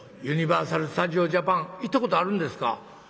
ユニバーサル・スタジオ・ジャパン行ったことあるんですか？」。